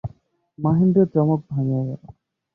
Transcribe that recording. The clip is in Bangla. মহেন্দ্রের চমক ভাঙিয়া গেল।